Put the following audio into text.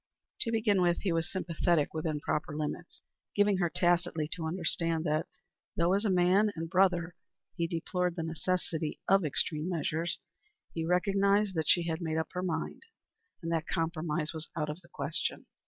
To begin with, he was sympathetic within proper limits, giving her tacitly to understand that, though as a man and brother, he deplored the necessity of extreme measures, he recognized that she had made up her mind, and that compromise was out of the question.